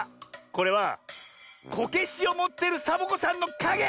これはこけしをもってるサボ子さんのかげ！